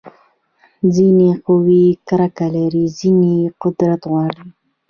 ځینې قومي کرکه لري، ځینې قدرت غواړي.